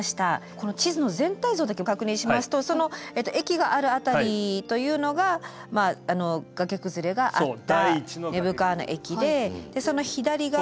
この地図の全体だけ確認しますと駅がある辺りというのが崖崩れがあった根府川の駅でその左側が。